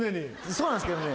そうなんすけどね。